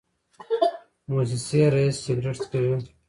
موسسې رییس سګرټ څکوي.